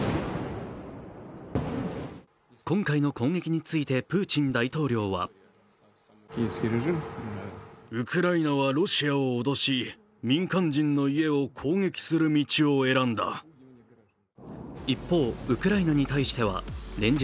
今回の攻撃についてプーチン大統領は一方、ウクライナに対しては連日